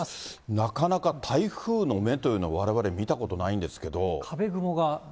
なかなか台風の目というの、われわれ見たことないんですけど。